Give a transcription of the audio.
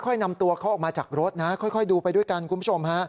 นำตัวเขาออกมาจากรถนะค่อยดูไปด้วยกันคุณผู้ชมฮะ